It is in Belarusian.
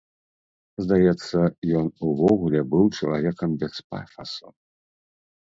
Здаецца, ён увогуле быў чалавекам без пафасу.